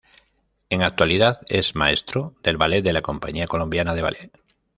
En actualidad es maestro de ballet de la Compañía Colombiana de Ballet.